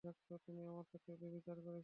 তুমি আমার সাথে ব্যভিচার করেছ।